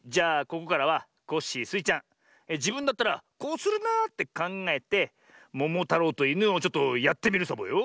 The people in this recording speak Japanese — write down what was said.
ここからはコッシースイちゃんじぶんだったらこうするなってかんがえてももたろうといぬをちょっとやってみるサボよ。